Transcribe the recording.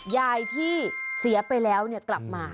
ยายที่เสียไปแล้วกลับมา